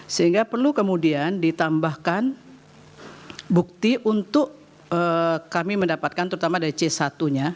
sehingga perlu kemudian ditambahkan bukti untuk kami mendapatkan terutama dari c satu nya